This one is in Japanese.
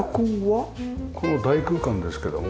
この大空間ですけども１つ？